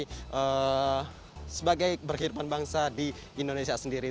bekerja dan pengajaran bagiissen dan keomuk identical